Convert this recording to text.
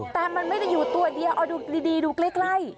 แต่มันไม่ได้อยู่ตัวเดียวเอาดูดีดูใกล้